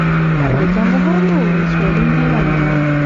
د کندهار يوه ولسوالي ميوند ده